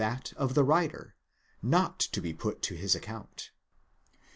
that of the writer, not to be put to his account.